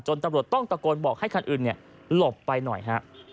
ตำรวจต้องตะโกนบอกให้คันอื่นหลบไปหน่อยฮะ